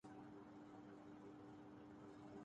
پاکستان میں ٹیکس دہندگان کی تعداد خطے میں سب سے کم